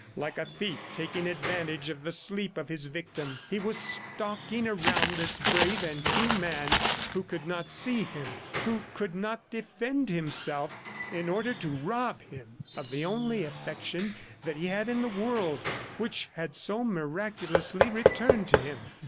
Like a thief taking advantage of the sleep of his victim, he was stalking around this brave and true man who could not see him, who could not defend himself, in order to rob him of the only affection that he had in the world which had so miraculously returned to him!